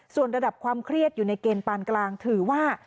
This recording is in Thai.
ส่วนระดับความเครียดอยู่ในเกณฑ์ปานกลางถือว่า